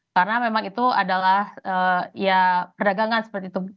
karena memang itu adalah ya perdagangan seperti itu